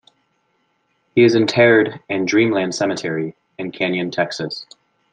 He is interred in Dreamland Cemetery, in Canyon, Texas.